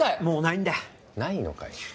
もうないんだないのかよ